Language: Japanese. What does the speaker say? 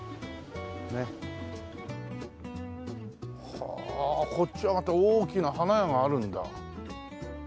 はあこっちはまた大きな花屋があるんだ。